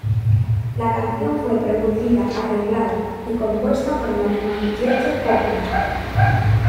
La canción fue producida, arreglada y compuesta por el alemán Dieter Bohlen.